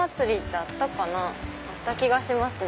あった気がしますね。